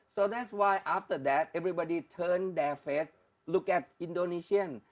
jadi setelah itu semua orang berubah hati melihat indonesia